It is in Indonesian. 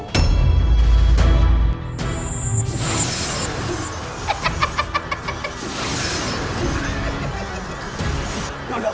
apa itu berjadi